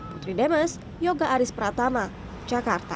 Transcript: putri demes yoga aris pratama jakarta